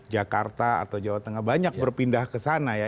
jakarta atau jawa tengah banyak berpindah ke sana ya